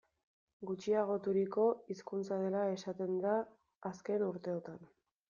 Gutxiagoturiko hizkuntza dela esaten da azken urteotan.